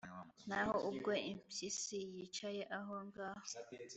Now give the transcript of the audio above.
naho ubwo impyisi yicaye aho ngaho